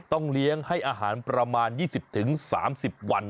ต้องเลี้ยงให้อาหารประมาณ๒๐๓๐วัน